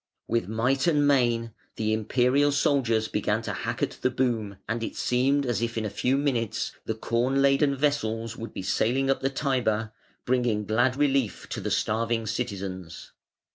With might and main the Imperial soldiers began to hack at the boom, and it seemed as if in a few minutes the corn laden vessels would be sailing up the Tiber, bringing glad relief to the starving citizens.